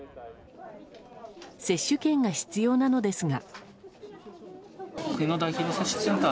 接種券が必要なのですが。